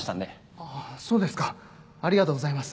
あっそうですかありがとうございます。